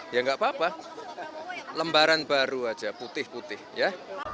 ya nggak apa apa lembaran baru aja putih putih ya